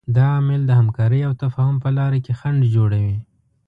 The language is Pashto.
دا عامل د همکارۍ او تفاهم په لاره کې خنډ جوړوي.